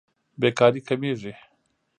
بېکاري کمېږي.